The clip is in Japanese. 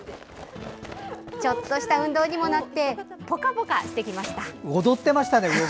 ちょっとした運動にもなってポカポカしてきました。